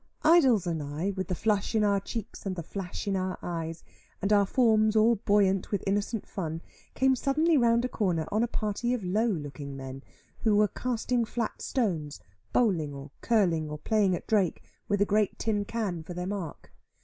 Idols and I, with the flush in our cheeks, and the flash in our eyes, and our forms all buoyant with innocent fun, came suddenly round a corner on a party of low looking men, who were casting flat stones, bowling, or curling, or playing at drake, with a great tin can for their mark.